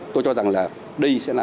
tôi cho rằng là đây sẽ là